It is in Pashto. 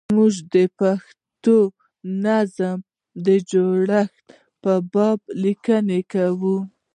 موږ د پښتو نظم د جوړښت په باب لیکنه کوو.